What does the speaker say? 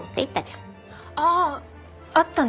あああったね。